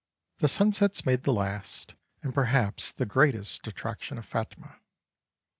The sunsets made the last, and perhaps the greatest attraction of Phatmah.